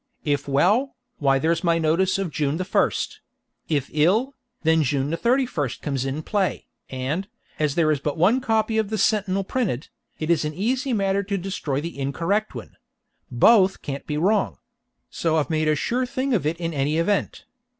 If well, why there's my notice of June the 1st; if ill, then June 31st comes in play, and, as there is but one copy of the Sentinel printed, it's an easy matter to destroy the incorrect one; both can't be wrong; so I've made a sure thing of it in any event.